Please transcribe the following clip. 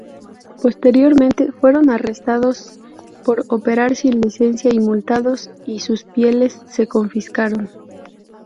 Posteriormente, fueron arrestados por operar sin licencia y multados y sus pieles se confiscaron.